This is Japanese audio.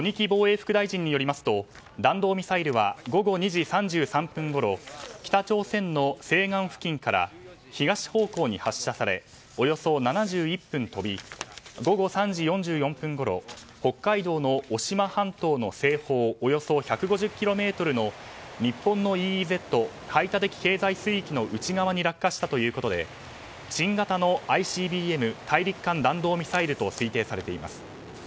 防衛副大臣によりますと弾道ミサイルは午後２時３３分ごろ北朝鮮の西岸付近から東方向に発射されおよそ７１分飛び午後３時４４分ごろ北海道の渡島半島の西方およそ１５０ｋｍの日本のＥＥＺ・排他的経済水域の内側に落下したということで新型のＩＣＢＭ・大陸間弾道ミサイルと推定されています。